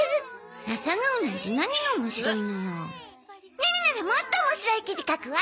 ネネならもっと面白い記事書くわ。